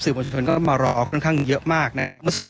สื่อมอตรุยลไม่รอคัลเลยเยอะมากนะครับ